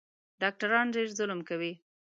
ډاکټران ډېر ظلم کوي